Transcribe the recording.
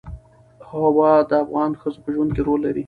هوا د افغان ښځو په ژوند کې رول لري.